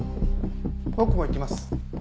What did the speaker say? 僕も行きます。